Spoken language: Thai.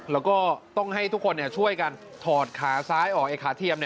แล้วก็ต้องให้ทุกคนช่วยกันถอดขาซ้ายออกขาเทียม